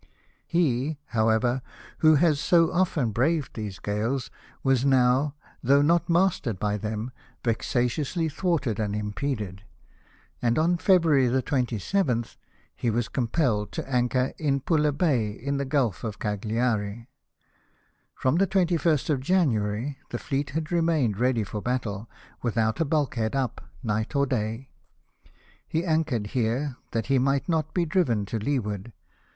He, however, who had so often braved these gales, was now, though not mastered by them, vexatiously thwarted and impeded ; and on February 27 th he 286 , LIFE OF NELSON. was compelled to anchor in Pulla Bay, in the Gulf of Cagliari. From the 21st of January the fleet had remained ready for battle, without a bulkhead up, night or day. He anchored here that he might not be driven to leeward.